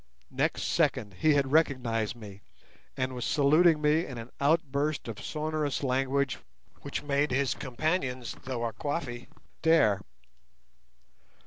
Next second he had recognized me, and was saluting me in an outburst of sonorous language which made his companions the Wakwafi stare.